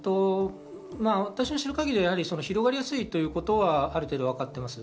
私の知る限りでは広がりやすいということはある程度わかっています。